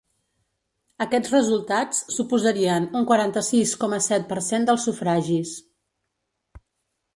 Aquests resultats suposarien un quaranta-sis coma set per cent dels sufragis.